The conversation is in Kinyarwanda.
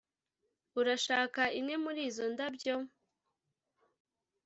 urashaka imwe muri izo ndabyo?